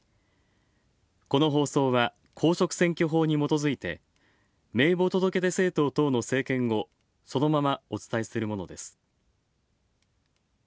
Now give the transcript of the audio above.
この放送は公職選挙法にもとづいて名簿届出政党等の政見をそのままお伝えするものです。